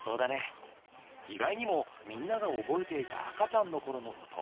意外にもみんなが覚えていた赤ちゃんのころのこと。